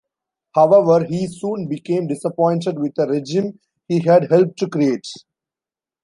However he soon became disappointed with the regime he had helped to create.